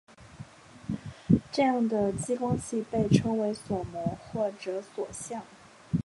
这样的激光器被称为锁模或者锁相。